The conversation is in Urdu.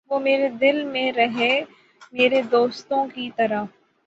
وُہ میرے دل میں رہے میرے دوستوں کی طرح